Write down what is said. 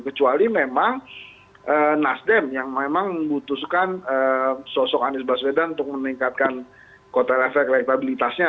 kecuali memang nasdem yang memang membutuhkan sosok anies baswedan untuk meningkatkan kotel efek elektabilitasnya